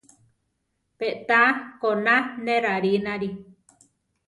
Pé taá koná ne rarináli.